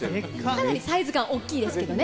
かなりサイズ感、大きいです